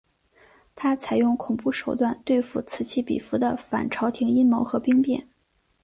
他采用恐怖手段对付此起彼伏的反朝廷阴谋和兵变。